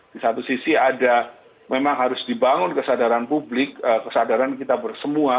di satu sisi ada memang harus dibangun kesadaran publik kesadaran kita semua